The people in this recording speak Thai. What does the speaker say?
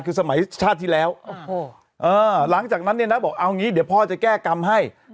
คือสมัยชาติที่แล้วหลังจากนั้นเนี่ยนะบอกเอางี้เดี๋ยวพ่อจะแก้กรรมให้